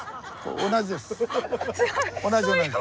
同じです。